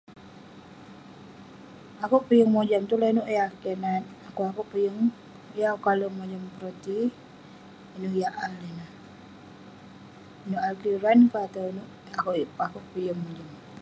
Akouk peh yeng mojam tulan inouk yah keh nat..pu'kuk akouk peh yeng..yeng akouk kalek mojam roti yah AI ineh..inouk ade lan ke atau inouk, akouk peh yeng mojam